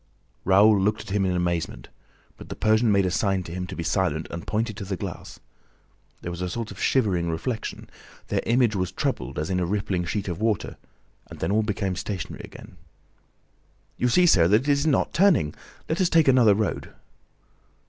Raoul looked at him in amazement; but the Persian made a sign to him to be silent and pointed to the glass ... There was a sort of shivering reflection. Their image was troubled as in a rippling sheet of water and then all became stationary again. "You see, sir, that it is not turning! Let us take another road!"